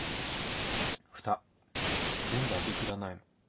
ふた全部開け切らないの。